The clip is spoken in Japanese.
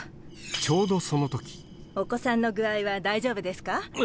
ちょうどお子さんの具合は大丈夫ですか？